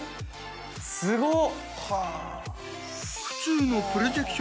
すごっ！